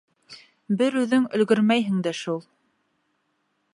Бер үҙең өлгөрмәйһең дә шул.